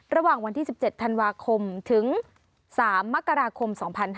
ระหว่างวันที่๑๗ธันวาคมถึง๓มกราคม๒๕๕๙